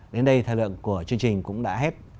đến đây thời lượng của chương trình cũng đã hết